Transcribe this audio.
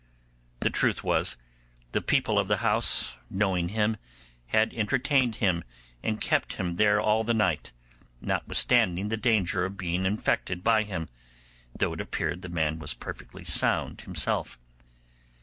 The truth was, the people of the house, knowing him, had entertained him, and kept him there all the night, notwithstanding the danger of being infected by him, though it appeared the man was perfectly sound himself.